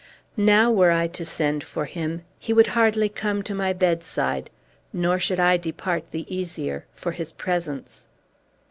Now, were I to send for him, he would hardly come to my bedside, nor should I depart the easier for his presence.